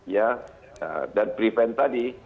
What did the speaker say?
ya dan prevent tadi